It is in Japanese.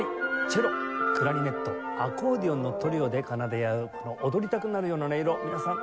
チェロクラリネットアコーディオンのトリオで奏で合う踊りたくなるような音色皆さん